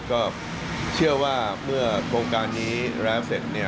ก็เชื่อว่าเมื่อโครงการนี้แล้วเสร็จ